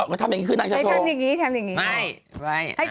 โอ๊ยเขาดูมาตั้งนานแล้วอย่าง